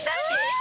え？